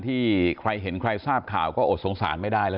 ที่ใครเห็นใครทราบข่าวก็อดสงสารไม่ได้แล้ว